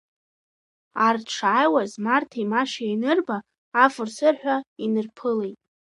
Арҭ шааиуаз Марҭеи Машеи ианырба, афыр-сырҳәа, инырԥылеит.